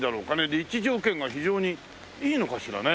立地条件が非常にいいのかしらね。